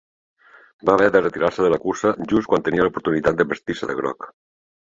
Va haver de retirar-se de la cursa just quan tenia l'oportunitat de vestir-se de groc.